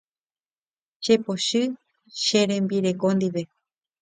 Chepochy che rembireko ndive.